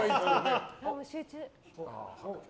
集中。